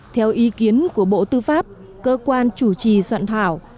theo ý kiến của bộ tư pháp cơ quan chủ trì soạn thảo